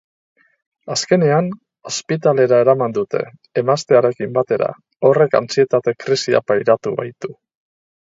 Azkenean, ospitalera eraman dute, emaztearekin batera, horrek antsietate-krisia pairatu baitu.